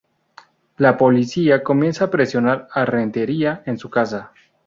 La policía comienza a presionar a Rentería en su casa.